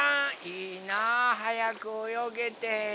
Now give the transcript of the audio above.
いいなはやくおよげて。